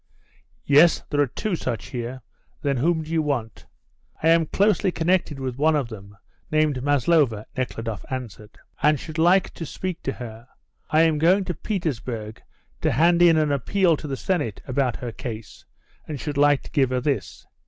"Yes, there are two such here. Then whom do you want?" "I am closely connected with one of them, named Maslova," Nekhludoff answered, "and should like to speak to her. I am going to Petersburg to hand in an appeal to the Senate about her case and should like to give her this.